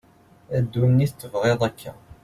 a dunit tebγiḍ akka